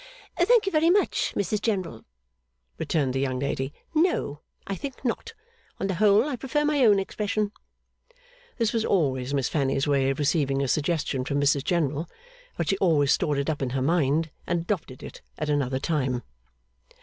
'Thank you very much, Mrs General,' returned the young lady, 'no, I think not. On the whole I prefer my own expression.' This was always Miss Fanny's way of receiving a suggestion from Mrs General. But she always stored it up in her mind, and adopted it at another time.